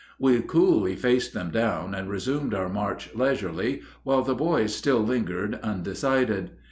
We coolly faced them down and resumed our march leisurely, while the boys still lingered undecided.